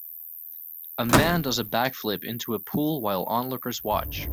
A man does a back flip into a pool while onlookers watch.